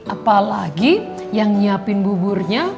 apalagi yang nyiapin buburnya